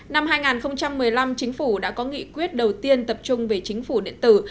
năm hai nghìn một mươi năm chính phủ đã có nghị quyết đầu tiên tập trung về chính phủ điện tử